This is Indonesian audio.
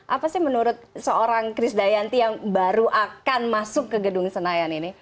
apa sih menurut seorang chris dayanti yang baru akan masuk ke gedung senayan ini